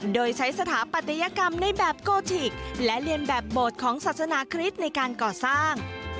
โดยใช้สถาปัตยกรรมในแบบโกธิกและเรียนแบบโบสถ์ของศาสนาคริสต์ในการก่อสร้าง